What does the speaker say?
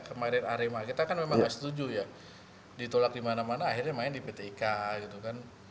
kemarin arema kita kan memang nggak setuju ya ditolak dimana mana akhirnya main di pt ika gitu kan